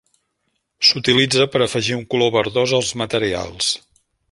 S'utilitza per afegir un color verdós als materials.